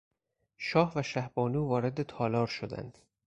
شاه و شهبانو وارد تالار شدند.